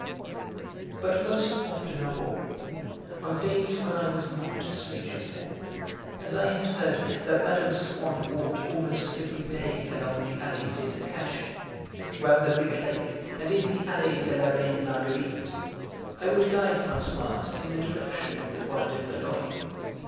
But most often of all, on days when I was not to see Gilberte, as I had heard that Mme. Swann walked almost every day along the Allée des Acacias, round the big lake, and in the Allée de la Reine Marguerite, I would guide Françoise in the direction of the Bois de Boulogne.